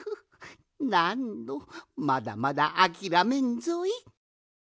なんのまだまだあきらめんぞい！